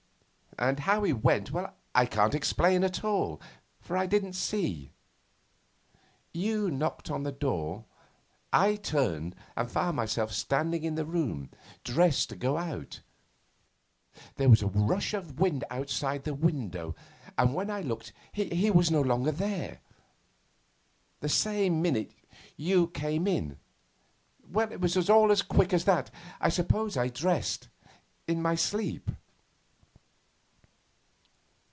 And how he went I can't explain at all, for I didn't see. You knocked at the door; I turned, and found myself standing in the room, dressed to go out. There was a rush of wind outside the window and when I looked he was no longer there. The same minute you came in. It was all as quick as that. I suppose I dressed in my sleep.